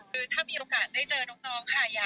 คือถ้ามีโอกาสได้เจอน้องค่ะ